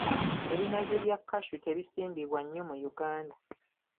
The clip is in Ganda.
Ebinazi bya cashew tebisimbiddwa nnyo mu Uganda.